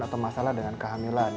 atau masalah dengan kehamilan